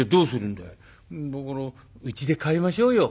「だからうちで飼いましょうよ」。